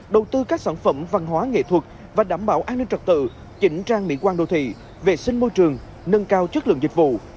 đầu tư các sản phẩm văn hóa nghệ thuật và đảm bảo an ninh trật tự chỉnh trang mỹ quan đô thị vệ sinh môi trường nâng cao chất lượng dịch vụ